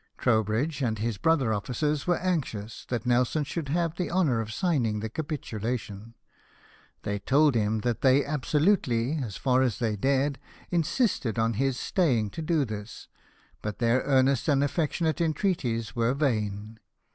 Trowbridge and his brother officers were anxious that Nelson should have the honour of signing the capitulation. They told him that they absolutely, as far as they dared, insisted on his staymg to do this , but their earnest and affectionate entreaties were vain.